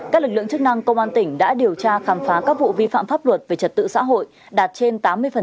các lực lượng chức năng công an tỉnh đã điều tra khám phá các vụ vi phạm pháp luật về trật tự xã hội đạt trên tám mươi